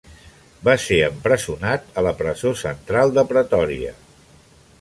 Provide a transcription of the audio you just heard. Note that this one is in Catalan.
Va ser empresonat a la Presó Central de Pretòria.